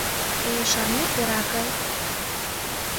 — Э-э, шарнет, Вера акай?